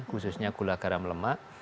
khususnya gula garam lemak